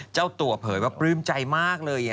เจ้าตัวเผยว่าปลื้มใจมากเลย